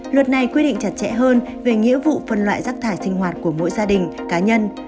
luật này quy định chặt chẽ hơn về nghĩa vụ phân loại rác thải sinh hoạt của mỗi gia đình cá nhân